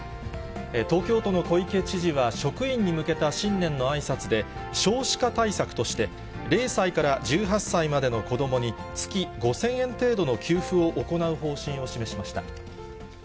東京都の小池知事は、職員に向けた新年のあいさつで、少子化対策として、０歳から１８歳までの子どもに、月５０００円程度の給付を行う方針を示しました。